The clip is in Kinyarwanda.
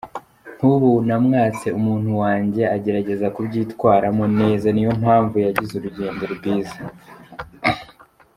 Nkubu namwatse umuntu wanjye, agerageza kubyitwara mo neza, ni yo mpamvu yagize urugendo rwiza.